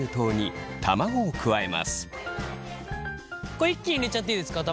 これ一気に入れちゃっていいですか卵。